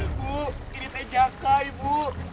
ibu ini teh jaka ibu